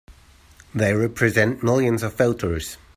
They represent millions of voters!